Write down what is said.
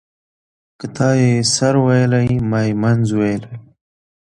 ـ که تا يې سر ويلى ما يې منځ ويلى.